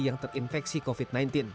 yang terinfeksi covid sembilan belas